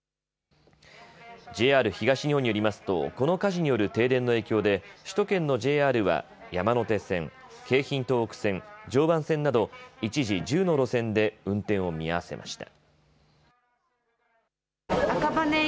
ＪＲ東日本によりますとこの火事による停電の影響で首都圏のＪＲは山手線、京浜東北線、常磐線など一時１０の路線で運転を見合わせました。